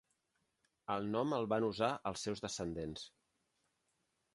El nom el van usar els seus descendents.